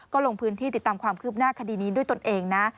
ก็ลงพื้นที่ติดตามความคืบหน้าคดีนี้ด้วยตนเองนะ